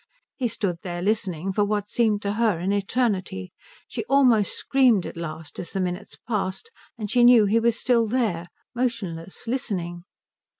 He stood there listening for what seemed to her an eternity. She almost screamed at last as the minutes passed and she knew he was still there, motionless, listening.